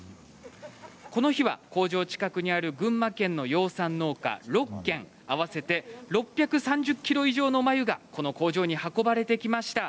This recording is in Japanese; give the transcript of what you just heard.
この日は工場近くにある群馬県の養蚕農家６軒合わせて６３０ｋｇ以上の繭がこの工場に運ばれてきました。